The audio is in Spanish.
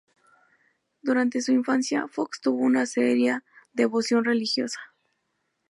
Durante su infancia, Fox tuvo una seria devoción religiosa.